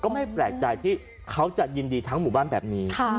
ไม่แปลกใจที่เขาจะยินดีทั้งหมู่บ้านแบบนี้